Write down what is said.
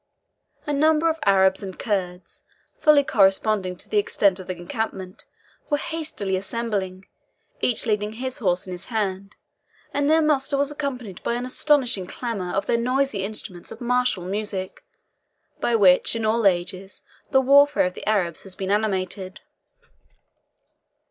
A number of Arabs and Kurds, fully corresponding to the extent of the encampment, were hastily assembling, each leading his horse in his hand, and their muster was accompanied by an astonishing clamour of their noisy instruments of martial music, by which, in all ages, the warfare of the Arabs has been animated.